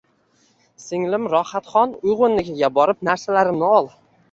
«Singlim Rohatxon! Uyg’unnikiga borib, narsalarimni ol.